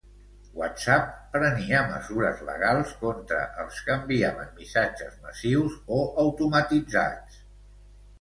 WhatsApp prenia mesures legals contra els que enviaven missatges massius o automatitzats.